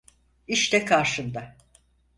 İşte karşında.